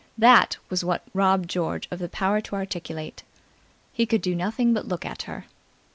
. that was what robbed George of the power to articulate. He could do nothing but look at her.